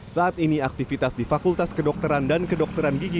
saat ini aktivitas di fakultas kedokteran dan kedokteran gigi